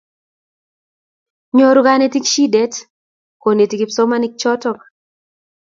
nyoru kanetik shidet koneti kipsomaninik choto